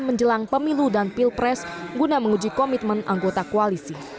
menjelang pemilu dan pilpres guna menguji komitmen anggota koalisi